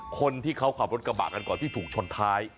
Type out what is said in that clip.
คนที่เขาขับรถกระบะกันก่อนที่ถูกชนท้าย